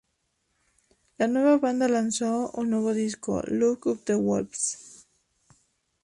La nueva banda lanzó un nuevo disco, Lock up the Wolves.